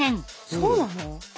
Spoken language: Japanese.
そうなの？